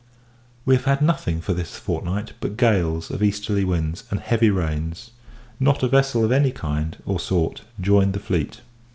We have had nothing, for this fortnight, but gales of easterly winds, and heavy rains; not a vessel of any kind, or sort, joined the fleet.